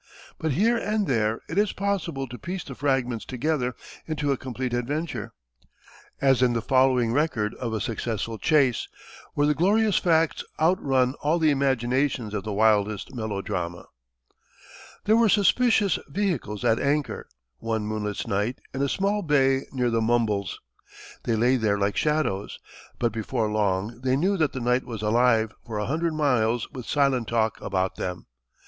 But here and there it is possible to piece the fragments together into a complete adventure, as in the following record of a successful chase, where the glorious facts outrun all the imaginations of the wildest melodrama. There were suspicious vessels at anchor, one moonless night, in a small bay near the Mumbles. They lay there like shadows, but before long they knew that the night was alive for a hundred miles with silent talk about them.